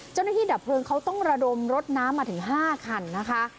เจ้าหน้าที่ดับเพลิงเขาต้องระดมรดน้ำมาถึง๕คันนะคะ